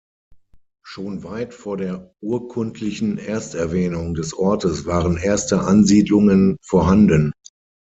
Schon weit vor der urkundlichen Ersterwähnung des Ortes waren erste Ansiedlungen vorhanden.